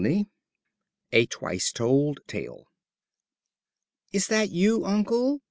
VI. A TWICE TOLD TALE "Is that you, uncle?"